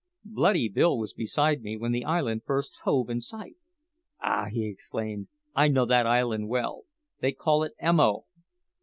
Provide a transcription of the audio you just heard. Bloody Bill was beside me when the island first hove in sight. "Ah!" he exclaimed, "I know that island well. They call it Emo."